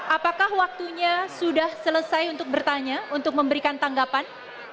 apakah waktunya sudah selesai untuk bertanya untuk memberikan tanggapan